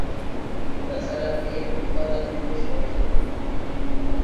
তাছাড়া এর উপাদানগুলো সহজলভ্য।